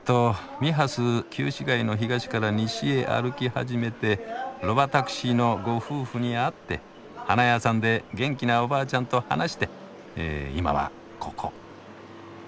ミハス旧市街の東から西へ歩き始めてロバタクシーのご夫婦に会って花屋さんで元気なおばあちゃんと話してえ今はここ。